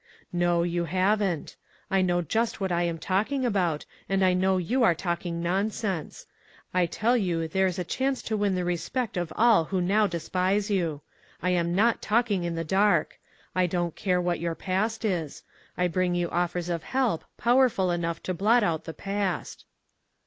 " No, you haven't. I know just what I am talking about, and I know you are talking nonsense. I tell you there is a chance to win the respect of all who now despise you. I am not talking in the dark. I don't care what your past is. I bring you offers of help, powerful enough to blot out the past."